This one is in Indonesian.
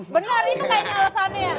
benar itu kayaknya alasannya